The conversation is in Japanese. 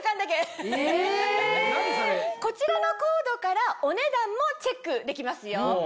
こちらのコードからお値段もチェックできますよ。